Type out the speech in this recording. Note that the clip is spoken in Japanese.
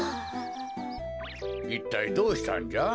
いったいどうしたんじゃ？